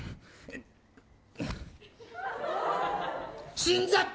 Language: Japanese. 死んじゃった！